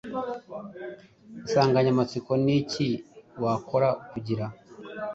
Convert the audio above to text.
Insanganyamatsiko Ni iki wakora kugira